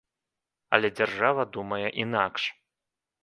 Але дзяржава думае інакш.